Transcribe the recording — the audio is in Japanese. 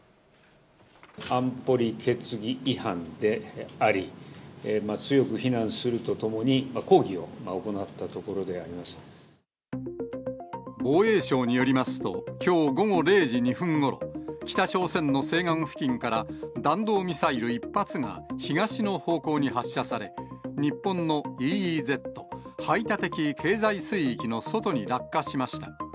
安保理決議違反であり、強く非難するとともに、防衛省によりますと、きょう午後０時２分ごろ、北朝鮮の西岸付近から弾道ミサイル１発が、東の方向に発射され、日本のＥＥＺ・排他的経済水域の外に落下しました。